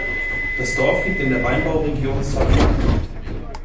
Das Dorf liegt in der Weinbauregion Savoie.